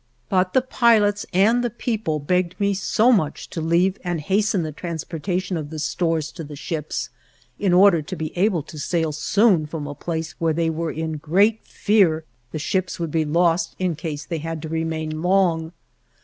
But the pilots and the people begged me so much to leave and hasten the transportation of the stores to the ships, in order to be able to sail soon, from a place where they were in great fear the ships would be lost in case they had to remain long.